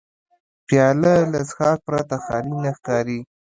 پیاله له څښاک پرته خالي نه ښکاري.